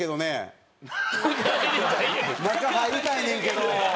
中入りたいねんけど。